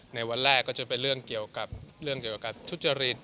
ในวันแรกก็จะเป็นเรื่องเกี่ยวกับทุจริต